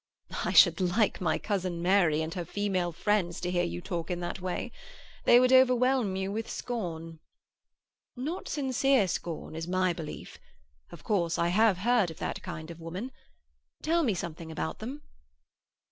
"I should like my cousin Mary and her female friends to hear you talk in that way. They would overwhelm you with scorn." "Not sincere scorn, is my belief. Of course I have heard of that kind of woman. Tell me something about them."